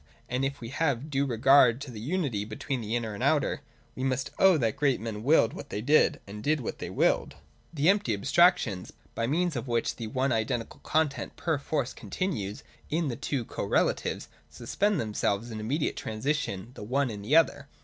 And if we have due regard to the unity between the inner and the outer, we must own that great men willed what they did, and did what they willed. 141.] The empty abstractions, by means of which the one identical content perforce continues in the two cor relatives, suspend themselves in the immediate transi tion, the one in the other.